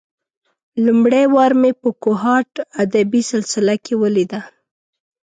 لومړۍ وار مې په کوهاټ ادبي سلسله کې ولېده.